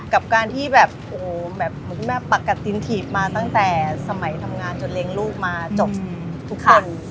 กับการที่แบบโอ้แบบคุณแม่ปักกัดจีนถีบมาตั้งแต่สมัยทำงานจดเล็งลูกมาจบทุกคน